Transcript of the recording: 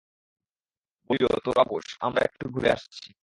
বলিল, তোরা বোস, আমরা একটু ঘুরে আসছি।